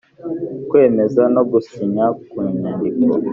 Kwemeza no gusinya ku Nyandiko